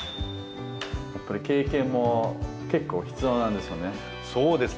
やっぱり経験も結構必要なんですよね？